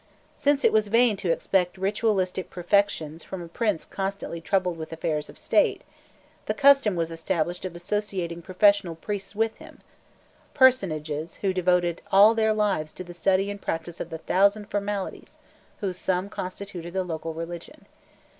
Since it was vain to expect ritualistic perfections from a prince constantly troubled with affairs of state, the custom was established of associating professional priests with him, personages who devoted all their lives to the study and practice of the thousand formalities whose sum constituted the local religion.